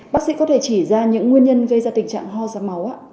bác sĩ có thể chỉ ra những nguyên nhân gây ra tình trạng ho ra máu ạ